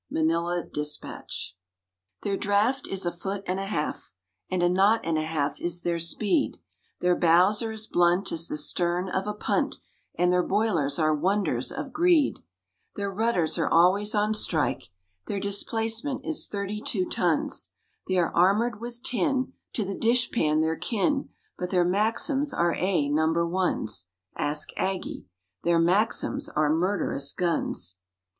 —[MANILLA DISPATCH] _Their draft is a foot and a half, And a knot and a half is their speed, Their bows are as blunt as the stern of a punt And their boilers are wonders of greed; Their rudders are always on strike, Their displacement is thirty two tons, They are armored with tin—to the dishpan they're kin— But their Maxims are A number ones, (Ask Aggie!) Their Maxims are murderous guns!